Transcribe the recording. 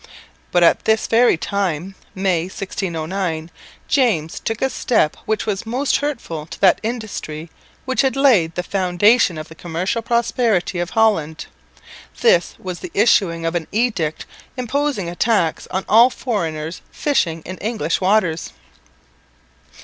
But at this very time, May, 1609, James took a step which was most hurtful to that industry which had laid the foundation of the commercial prosperity of Holland this was the issuing of an edict imposing a tax on all foreigners fishing in English waters.